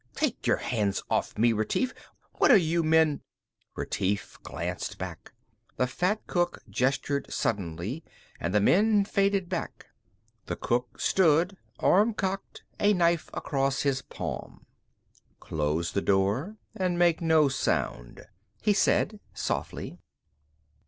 "Take your hands off me, Retief! What are you men ?" Retief glanced back. The fat cook gestured suddenly, and the men faded back. The cook stood, arm cocked, a knife across his palm. "Close the door and make no sound," he said softly.